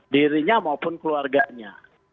dirinya maupun keluarganya